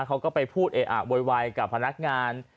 เขาก็ไปพูดเออะโวยวายกับพนักงาน